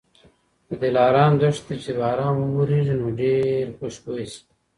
د دلارام دښتې ته چي باران وورېږي نو ډېر خوشبويه سي